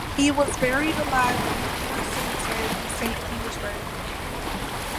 He was buried in the Lutheran cemetery in Saint Petersburg.